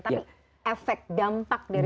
tapi efek dampak dari